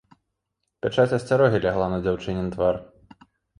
Пячаць асцярогі лягла на дзяўчынін твар.